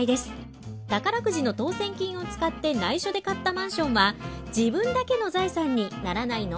宝くじの当せん金を使って内緒で買ったマンションは自分だけの財産にならないの？